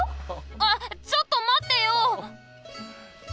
あっちょっとまってよ！